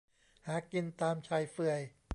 หากินตามชายเฟือย